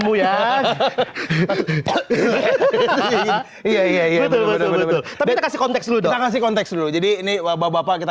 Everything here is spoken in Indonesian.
mu ya iya iya iya betul betul berdekat konteks lu dong sih konteks dulu jadi ini wabah wabah kita